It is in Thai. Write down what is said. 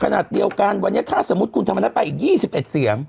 ขนาดเดียวกันวันนี้ถ้าสมมุติคุณธรรมนัฐไปอีก๒๑เสียง